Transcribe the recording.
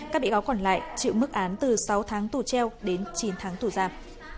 các bị cáo còn lại chịu mức án từ sáu tháng tù treo đến chín tháng tù giam